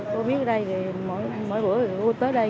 cô biết ở đây thì mỗi bữa cô tới đây